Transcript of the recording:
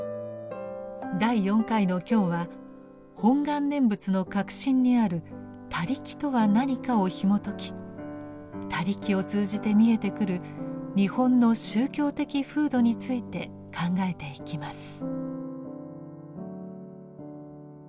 第４回の今日は本願念仏の核心にある「他力」とは何かをひもとき「他力」を通じてみえてくる日本の宗教的風土について考えていきます。